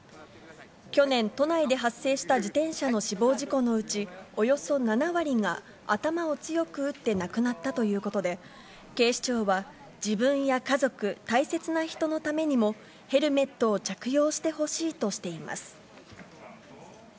去年、都内で発生した自転車の死亡事故のうち、およそ７割が頭を強く打って亡くなったということで、警視庁は、自分や家族、大切な人のためにも、ヘルメットを着用してほしいとしています。